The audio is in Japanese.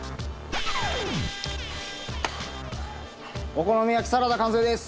お好み焼きサラダ完成です。